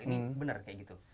ini benar kayak gitu